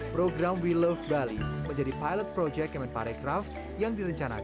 program we love bali menjadi pilot proyek kemen parekraf yang direncanakan